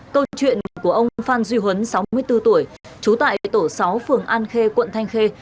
câu chuyện của ông phan duy huấn sáu mươi bốn tuổi trú tại tổ sáu phường an khê quận thanh khê